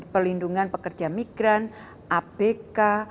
perlindungan pekerja migran abk